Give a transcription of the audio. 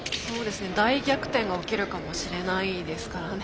大逆転が起きるかもしれないですからね。